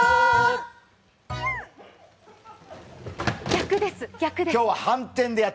逆です。